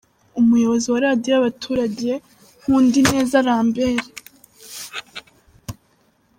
Umuyobozi wa Radiyo y’abaturage, Nkundineza Lambert.